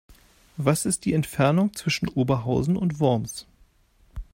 Was ist die Entfernung zwischen Oberhausen und Worms?